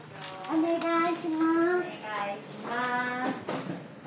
お願いします。